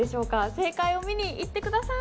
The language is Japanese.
正解を見に行って下さい。